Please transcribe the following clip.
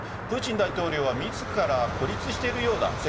プーチン大統領は自ら孤立しているようだ。